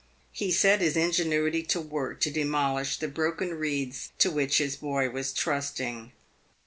He set his ingenuity to work to demolish the broken reeds to which his boy was trusting.